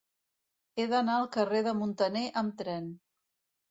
He d'anar al carrer de Muntaner amb tren.